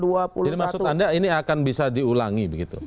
jadi maksud anda ini akan bisa diulangi begitu